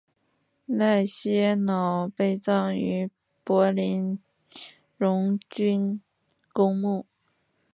赖歇瑙被葬于柏林荣军公墓。